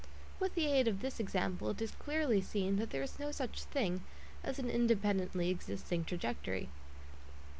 With the aid of this example it is clearly seen that there is no such thing as an independently existing trajectory (lit.